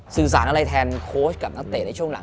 สื่อสารอะไรแทนโค้ชกับนักเตะในช่วงหลัง